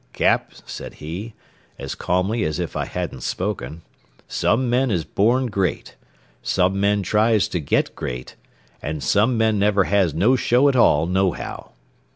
"Cap," said he, as calmly as if I hadn't spoken, "some men is born great; some men tries to get great; and some men never has no show at all, nohow.